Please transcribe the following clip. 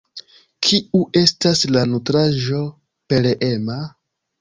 Kiu estas la nutraĵo pereema?